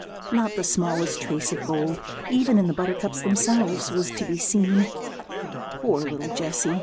Not the smallest trace of gold, even in the buttercups themselves, was to be seen. Poor little Jessy!